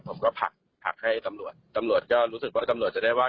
ผักผลักให้ตำรวจตำรวจก็รู้สึกว่าตำรวจจะได้ว่า